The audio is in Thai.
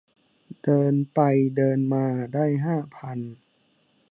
เดินไปเดินมาได้ห้าพัน